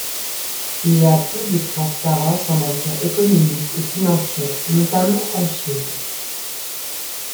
Il y a peu de transparence en matière économique et financière, notamment en Chine.